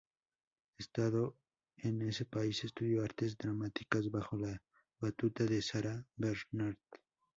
Estando en ese país, estudió artes dramáticas bajo la batuta de Sarah Bernhardt.